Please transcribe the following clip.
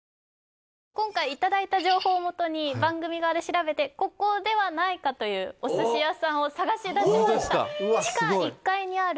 今回いただいた情報をもとに番組側で調べてここではないかというお寿司屋さんを探し出しました